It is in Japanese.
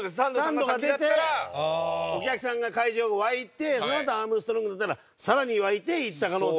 サンドが出てお客さんが会場が沸いてそのあとアームストロングが出たらさらに沸いていった可能性が。